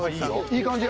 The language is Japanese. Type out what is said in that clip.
いい感じ。